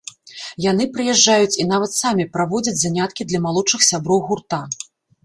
Яны прыязджаюць і нават самі праводзяць заняткі для малодшых сяброў гурта.